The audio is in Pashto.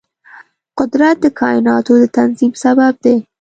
قدرت د کایناتو د تنظیم سبب دی.